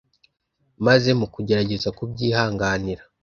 maze mukagerageza kubyihanganira